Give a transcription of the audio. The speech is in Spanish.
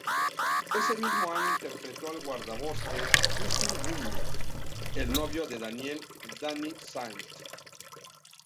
Ese mismo año interpretó al guardabosques Justin Rawley, el novio de Danielle "Danny" St.